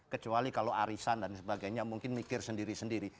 kecuali kalau arisan dan sebagainya mungkin mikir sendiri sendiri